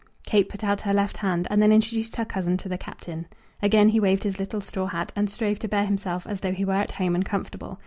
Kate put out her left hand, and then introduced her cousin to the Captain. Again he waved his little straw hat, and strove to bear himself as though he were at home and comfortable.